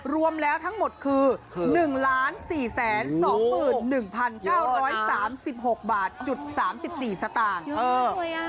รวมแล้วทั้งหมดคือ๑๔๒๑๙๓๖บาทจุด๓๔สตางค์เออ